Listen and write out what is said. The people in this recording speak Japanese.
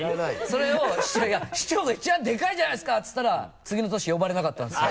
それを「いやいや市長が一番でかいじゃないですか！」って言ったら次の年呼ばれなかったんですよ。